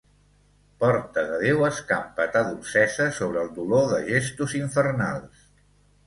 Porta de Déu, escampa ta dolcesa sobre el dolor de gestos infernals.